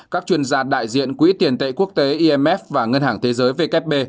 các chuyên gia đại diện quỹ tiền tệ quốc tế imf và ngân hàng thế giới vkp